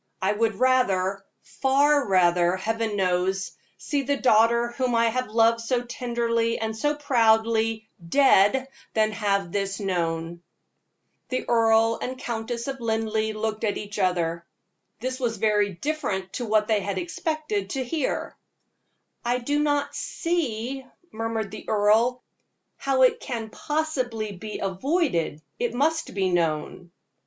I would rather far rather, Heaven knows see the daughter whom I have loved so tenderly and so proudly, dead, than have this known." The Earl and Countess of Linleigh looked at each other. This was very different to what they had expected to hear. "I do not see," murmured the earl, "how it can possibly be avoided it must be known."